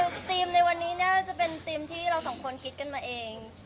คือธีมในวันนี้น่าจะเป็นธีมที่เราสองคนคิดกันมาเอง